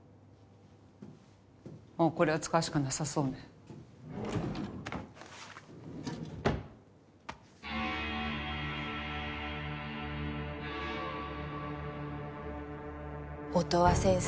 もうこれを使うしかなさそうね音羽先生